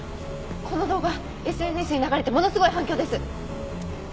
この動画ＳＮＳに流れてものすごい反響です！